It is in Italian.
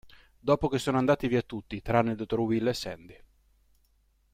Dopo che sono andati via tutti tranne il Dr. Will e Sandy.